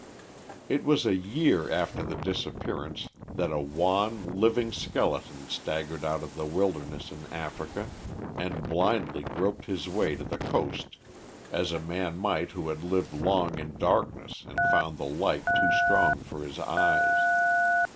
It was a year after the disappearance that a wan, living skeleton staggered out of the wilderness in Africa, and blindly groped his way to the coast as a man might who had lived long in darkness and found the light too strong for his eyes.